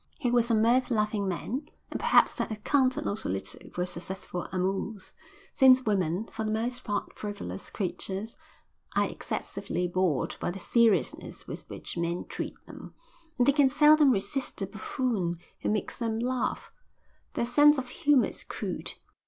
He was a mirth loving man, and perhaps that accounted not a little for his successful amours; since women, for the most part frivolous creatures, are excessively bored by the seriousness with which men treat them, and they can seldom resist the buffoon who makes them laugh. Their sense of humour is crude.